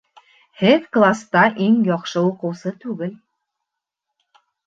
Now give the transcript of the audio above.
Һеҙ класта иң яҡшы уҡыусы түгел